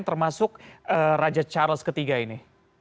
termasuk raja charles iii ini